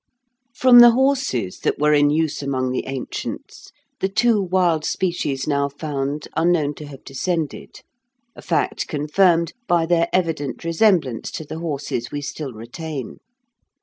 From the horses that were in use among the ancients the two wild species now found are known to have descended, a fact confirmed by their evident resemblance to the horses we still retain.